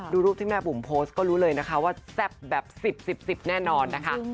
ดูรูปที่แม่บุ๋มโพสต์ก็รู้เลยนะคะว่าแซ่บแบบ๑๐๑๐๑๐แน่นอนนะคะ